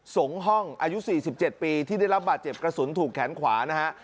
ส่งห้องอายุ๔๗ปีที่ได้รับบาดเจ็บกระสุนถูกแขนขวานะฮะ